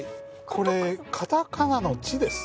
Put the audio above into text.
これカタカナの「チ」です。